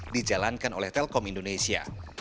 dijalankan oleh telkom indonesia